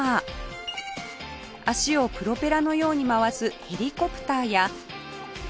足をプロペラのように回す「ヘリコプター」や